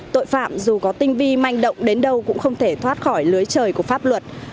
tội phạm dù có tinh vi manh động đến đâu cũng không thể thoát khỏi lưới trời của pháp luật